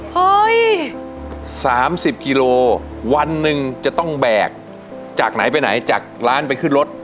เฮ้ย๓๐กิโลวันหนึ่งจะต้องแบกจากไหนไปไหนจากร้านไปขึ้นรถ